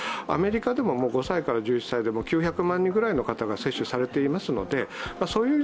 アメリカでも５歳から１１歳で９００万人ぐらいの方が接種されています。